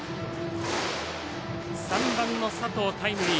３番の佐藤タイムリー。